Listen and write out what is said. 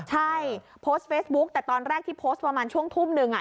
ใช่โพสต์เฟซบุ๊กแต่ตอนแรกที่โพสต์ประมาณช่วงทุ่มหนึ่ง